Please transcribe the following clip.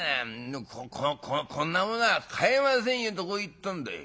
このこの『こんなものは買えませんよ』とこう言ったんだい。